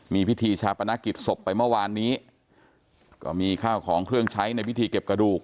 มีพิธีชาปนกิจศพไปเมื่อวานนี้ก็มีข้าวของเครื่องใช้ในพิธีเก็บกระดูก